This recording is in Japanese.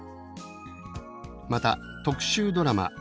また特集ドラマ